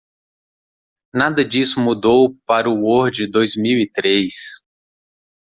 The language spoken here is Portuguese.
Nada disso mudou para o Word dois mil e três.